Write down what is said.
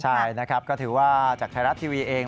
ใช่ก็ถือว่าจากไทรัตทีวีเอง